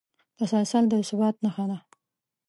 تسلسل د ثبات نښه ده.